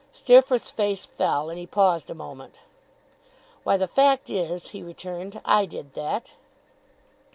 Steerforth's face fell, and he paused a moment. 'Why, the fact is,' he returned, 'I did that.